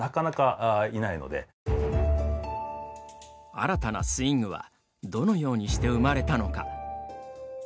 新たなスイングはどのようにして生まれたのか。